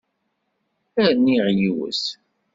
Rniɣ yiwet.